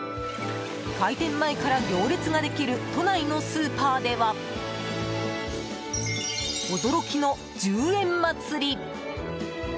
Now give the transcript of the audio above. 開店前から行列ができる都内のスーパーでは驚きの１０円祭り！